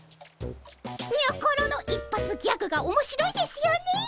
にょころの一発ギャグがおもしろいですよねえ。